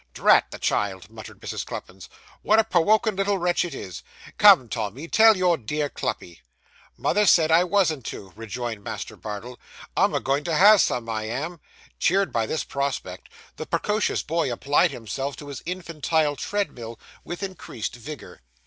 'Drat the child!' muttered Mrs. Cluppins. 'What a prowokin' little wretch it is! Come, Tommy, tell your dear Cluppy.' 'Mother said I wasn't to,' rejoined Master Bardell, 'I'm a goin' to have some, I am.' Cheered by this prospect, the precocious boy applied himself to his infantile treadmill, with increased vigour.